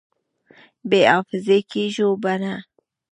بې حافظې کېږو به نه!